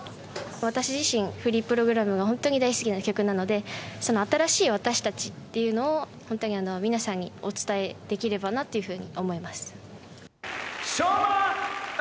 私自身、フリープログラムが大好きな曲なので、その新しい私たちっていうのを、本当に皆さんにお伝えできればなというふうに思います。